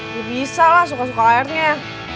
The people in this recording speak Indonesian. ya bisa lah suka suka airnya